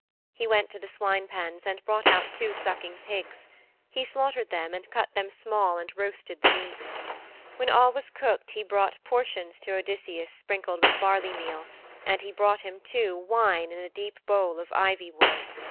He went to the swine pens and brought out two sucking pigs; he slaughtered them and cut them small and roasted the meat. When all was cooked, he brought portions to Odysseus sprinkled with barley meal, and he brought him, too, wine in a deep bowl of ivy wood.